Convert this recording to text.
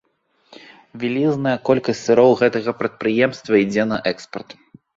Вялізная колькасць сыроў гэтага прадпрыемства ідзе на экспарт.